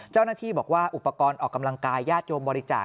เจ้าหน้าที่บอกว่าอุปกรณ์ออกกำลังกายญาติโยมบริจาค